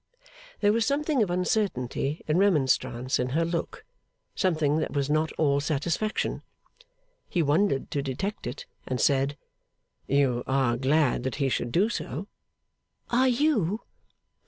There was something of uncertainty and remonstrance in her look; something that was not all satisfaction. He wondered to detect it, and said: 'You are glad that he should do so?' 'Are you?